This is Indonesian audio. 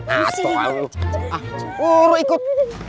aduh lu ikut